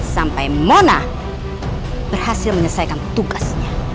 sampai mona berhasil menyelesaikan tugasnya